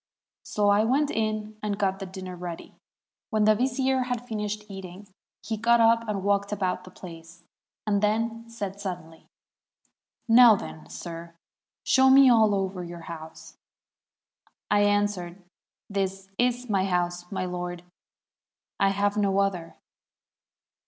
So I went in and got the dinner ready. When the vizier had finished eating, he got up and walked about the place, and then said suddenly, 'Now, then, sir, show me all over your house.' I answered, 'This is my house, my lord; I have no other.'